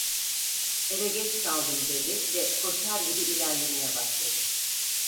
"Eve geç kaldım!" dedi ve koşar gibi ilerlemeye başladı.